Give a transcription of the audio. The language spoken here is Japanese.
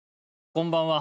こんばんは。